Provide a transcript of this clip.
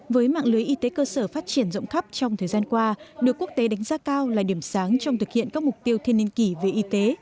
với mạng lưới y tế cơ sở phát triển rộng khắp trong thời gian qua được quốc tế đánh giá cao là điểm sáng trong thực hiện các mục tiêu thiên niên kỷ về y tế